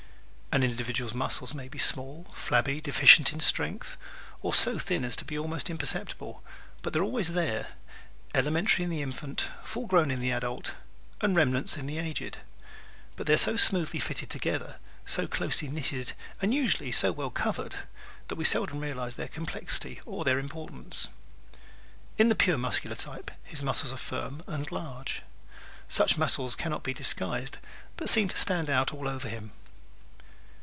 An individual's muscles may be small, flabby, deficient in strength or so thin as to be almost imperceptible but they are always there elementary in the infant, full grown in the adult and remnants in the aged. But they are so smoothly fitted together, so closely knitted and usually so well covered that we seldom realize their complexity or importance. In the pure Muscular type his muscles are firm and large. Such muscles can not be disguised but seem to stand out all over him.